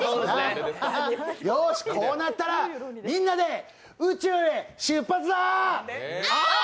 よーし、こうなったらみんなで宇宙へ出発だー！